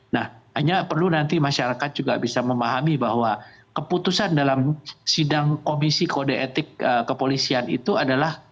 nah hanya perlu nanti masyarakat juga bisa memahami bahwa keputusan dalam sidang komisi kode etik kepolisian itu adalah